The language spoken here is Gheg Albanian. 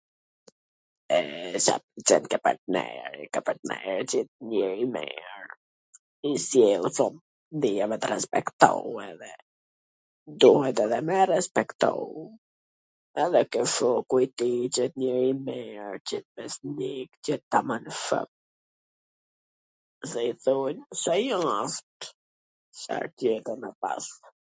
E, Ca t ket partneri? Partneri t jet njeri i mir, i sjellshwm, di e me tw respektue, edhe, duhet edhe me e respektu, edhe ky shoku i tij t jet njeri i mir, t jet besnik, t jet taman shok, se i thojn, se ai asht, Cfar tjetwr me pas...